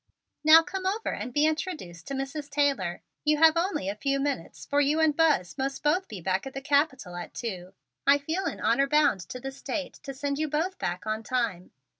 "Now come over and be introduced to Mrs. Taylor. You have only a few minutes, for you and Buzz must both be back at the Capitol at two. I feel in honor bound to the State to send you both back on time."